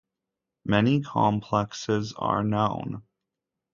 Many complexes are known.